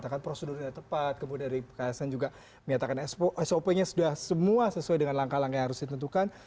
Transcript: katakan prosedurnya tepat kemudian dari ksn juga menyatakan sop nya sudah semua sesuai dengan langkah langkah yang harus ditentukan